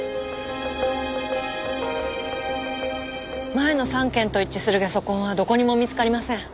前の３件と一致するゲソ痕はどこにも見つかりません。